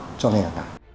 mỗi nhọn cho ngày hẳn